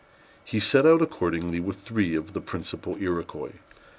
He set out accordingly with three of the principal Iroquois.